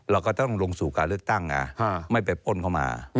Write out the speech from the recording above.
เราก็ต้องลงสู่การเลือกตั้งไงไม่ไปป้นเข้ามา